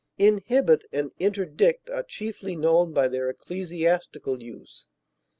Inhibit and interdict are chiefly known by their ecclesiastical use.